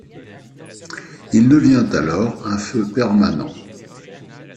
Il devient alors un feu permanent.